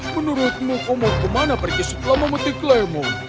menurutmu kamu ke mana pergi setelah memetik lemon